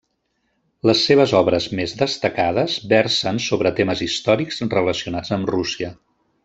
Les seves obres més destacades versen sobre temes històrics relacionats amb Rússia.